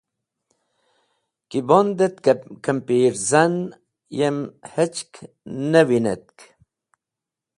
Ki bond et, kimpirzan yem hechk ne winetk.